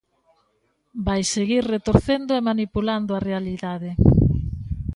Vai seguir retorcendo e manipulando a realidade.